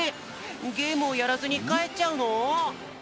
ゲームをやらずにかえっちゃうの？